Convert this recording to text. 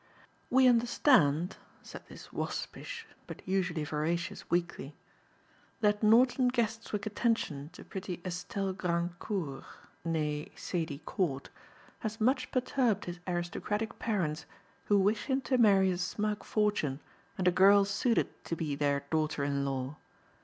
"We understand," said this waspish, but usually veracious weekly, "that Norton Guestwick's attention to pretty Estelle Grandcourt (née Sadie Cort) has much perturbed his aristocratic parents who wish him to marry a snug fortune and a girl suited to be their daughter in law.